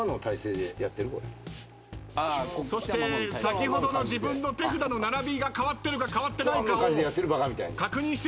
そして先ほどの自分の手札の並びが変わってるか変わってないかを確認しているようですね。